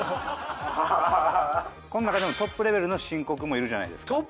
この中でもトップレベルの深刻もいるじゃないですか。